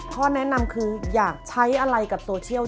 ข้อแนะนำคืออยากใช้อะไรกับโซเชียล